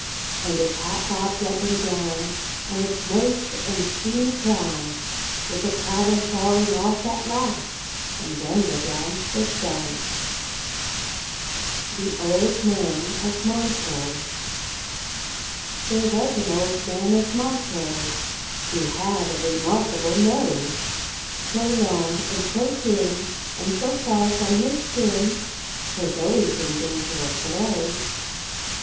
And its hat bobbed up and down On its moist and steamy crown, With a clatter falling off at last, and then the dance was done. THE OLD MAN OF MONTROSE. There was an old man of Montrose Who had a remarkable nose, So long and so thin, And so far from his chin, 'Twas always in danger of blows.